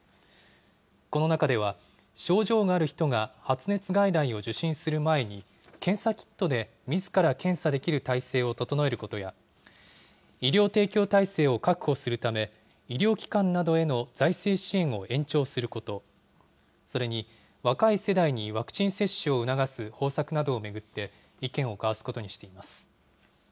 この中では、症状がある人が発熱外来を受診する前に、検査キットでみずから検査できる体制を整えることや、医療提供体制を確保するため、医療機関などへの財政支援を延長すること、それに若い世代にワクチン接種を促す方策などを巡って意見を交わすことにしています。